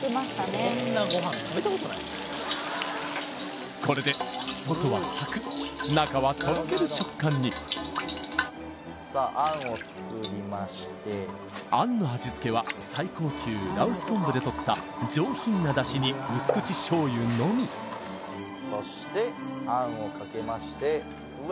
こんなご飯食べたことないこれで外はサクッ中はとろける食感にさああんを作りましてあんの味付けは最高級羅臼昆布でとった上品な出汁に薄口醤油のみそしてあんをかけましてうわ